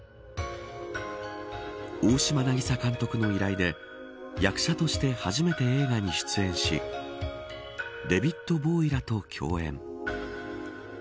大島渚監督の依頼で役者として初めて映画に出演しデビット・ボウイらと共演。